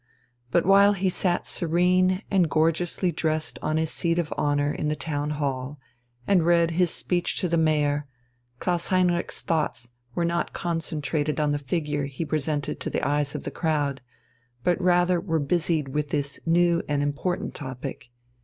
But while he sat serene and gorgeously dressed on his seat of honour in the Town Hall, and read his speech to the Mayor, Klaus Heinrich's thoughts were not concentrated on the figure he presented to the eyes of the crowd, but rather were busied with this new and important topic.